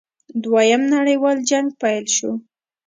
دویم نړیوال جنګ پیل شو.